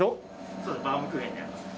そうですバウムクーヘンのやつです。